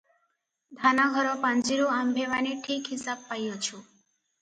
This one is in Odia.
ଧାନଘର ପାଞ୍ଜିରୁ ଆମ୍ଭେମାନେ ଠିକ୍ ହିସାବ ପାଇଅଛୁ ।